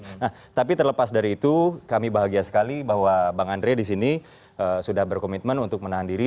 nah tapi terlepas dari itu kami bahagia sekali bahwa bang andre disini sudah berkomitmen untuk menahan diri